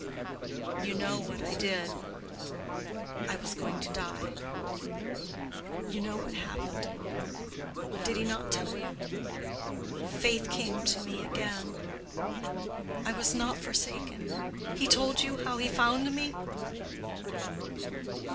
You know what I did. I was going to die. You know what happened—did he not tell you? Faith came to me again; I was not forsaken. He told you how he found me?"